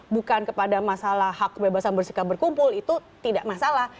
bukan kepada masalah hak kebebasan bersikap berkumpul itu tidak masalah